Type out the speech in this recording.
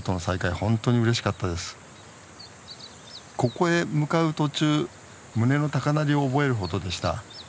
ここへ向かう途中胸の高鳴りを覚えるほどでした。